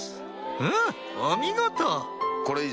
うんお見事！